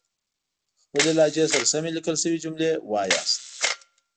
خپلې لهجې سره سمې ليکل شوې جملې وايئ